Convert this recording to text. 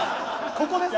ここです。